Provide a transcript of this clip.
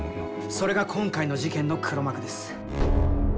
それが今回の事件の黒幕です。